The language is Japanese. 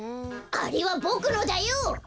あれはボクのだよ！